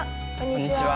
こんにちは。